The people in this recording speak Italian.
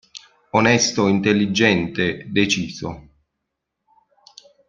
Onesto intelligente, deciso.